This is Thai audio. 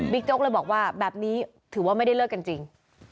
โจ๊กเลยบอกว่าแบบนี้ถือว่าไม่ได้เลิกกันจริง